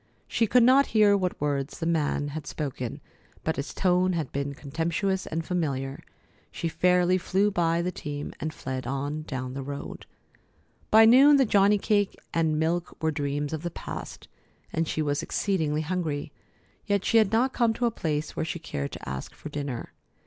She could not hear what words the man had spoken, but his tone had been contemptuous and familiar. She fairly flew by the team, and fled on down the road. By noon the johnny cake and milk were dreams of the past, and she was exceedingly hungry, yet she had not come to a place where she cared to ask for dinner.